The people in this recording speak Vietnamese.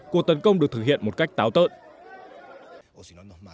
cuộc tấn công được thực hiện một cách táo tợn